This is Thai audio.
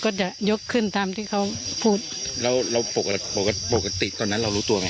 ก็จะยกขึ้นทำที่เขาพูดเราพกติตอนนั้นเรารู้ตัวไหมครับ